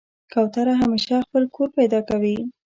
کوتره همیشه خپل کور پیدا کوي.